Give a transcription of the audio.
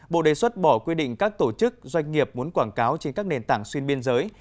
bộ đề xuất bỏ quy định các tổ chức doanh nghiệp muốn quảng cáo trên các nền tảng xuyên biên giới